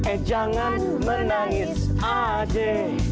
eh jangan menangis aja